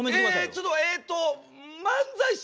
ちょっとえっと漫才師？